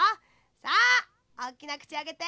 さあおおきなくちあけて。